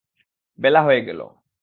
বেলা হয়ে গেল।